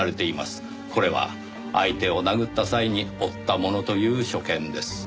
これは相手を殴った際に負ったものという所見です。